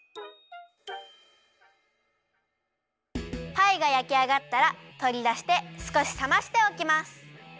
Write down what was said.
パイがやきあがったらとりだしてすこしさましておきます。